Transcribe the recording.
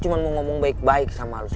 untungnya rip diarrhea